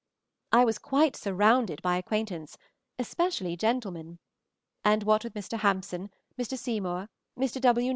I was quite surrounded by acquaintance, especially gentlemen; and what with Mr. Hampson, Mr. Seymour, Mr. W.